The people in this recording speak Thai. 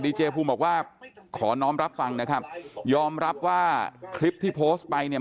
เจภูมิบอกว่าขอน้องรับฟังนะครับยอมรับว่าคลิปที่โพสต์ไปเนี่ย